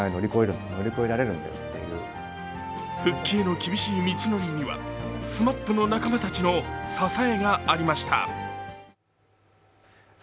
復帰への厳しい道のりにはＳＭＡＰの仲間たちの支えがありました。